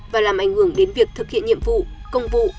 và làm ảnh hưởng đến việc thực hiện nhiệm vụ công vụ